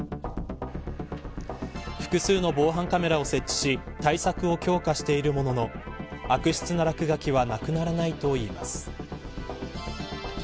複数の防犯カメラを設置し対策を強化しているものの悪質な落書きはなくならないといいます。